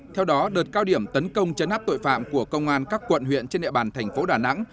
theo đó đợt cao điểm tấn công chấn áp tội phạm của công an các quận huyện trên địa bàn thành phố đà nẵng